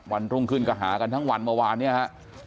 วันรุ่งขึ้นก็หากันทั้งวันเมื่อวานเนี่ยฮะ